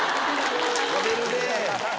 食べるね！